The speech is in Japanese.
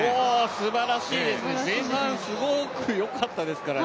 すばらしいですね、前半すごくよかったですからね。